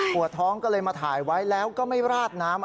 วดท้องก็เลยมาถ่ายไว้แล้วก็ไม่ราดน้ำ